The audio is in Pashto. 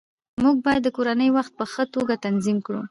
موږ باید د کورنۍ وخت په ښه توګه تنظیم کړو